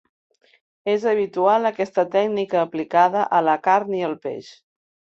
És habitual aquesta tècnica aplicada a la carn i el peix.